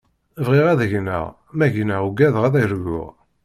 Bɣiɣ ad gneɣ, ma gneɣ ugadeɣ ad arguɣ.